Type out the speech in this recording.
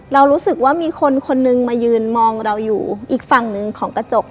เรารู้สึกว่ามีคนคนนึงมายืนมองเราอยู่อีกฝั่งหนึ่งของกระจก